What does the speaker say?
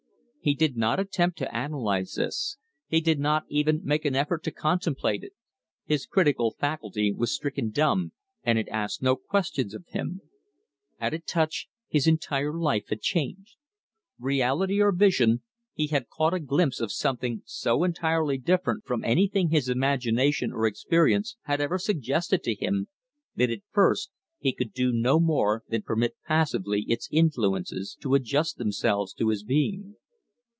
He did not attempt to analyze this; he did not even make an effort to contemplate it. His critical faculty was stricken dumb and it asked no questions of him. At a touch his entire life had changed. Reality or vision, he had caught a glimpse of something so entirely different from anything his imagination or experience had ever suggested to him, that at first he could do no more than permit passively its influences to adjust themselves to his being.